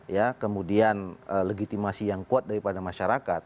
ya kemudian legitimasi yang kuat daripada masyarakat